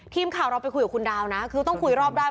ทีมข่าวเราไปคุยกับคุณดาวนะคือต้องคุยรอบด้าน